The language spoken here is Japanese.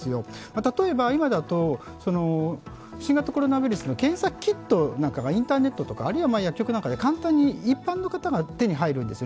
例えば今だと、新型コロナウイルスの検査キットなんかがインターネットとか薬局なんかで簡単に一般の方が手に入るんですよね、